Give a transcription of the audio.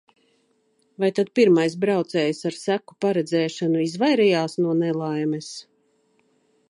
Vai tad pirmais braucējs ar seku paredzēšanu izvairījās no nelaimes?